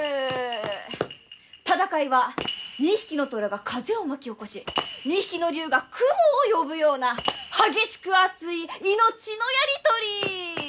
戦いは２匹の虎が風を巻き起こし２匹の竜が雲を呼ぶような激しく熱い命のやり取り！